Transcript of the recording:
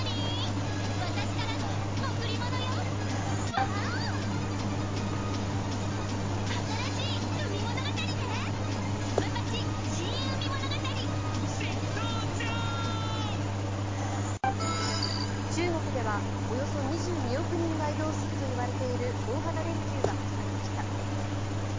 ｈｏｙｕ中国ではおよそ２２億人が移動するといわれている大型連休が始まりました。